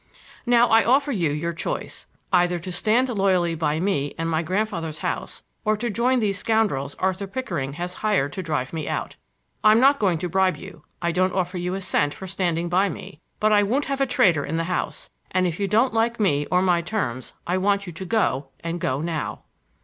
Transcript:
"Now I offer you your choice,—either to stand loyally by me and my grandfather's house or to join these scoundrels Arthur Pickering has hired to drive me out. I'm not going to bribe you,—I don't offer you a cent for standing by me, but I won't have a traitor in the house, and if you don't like me or my terms I want you to go and go now."